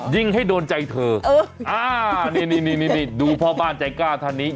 ยิงให้โดนใจเธอเอออ่านี้นี่นี่นี้ดูเพราะบ้านใจกล้าทานี้